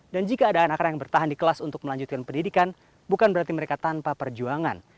dan jika ada anak anak yang bertahan di kelas untuk melanjutkan pendidikan bukan berarti mereka tanpa perjuangan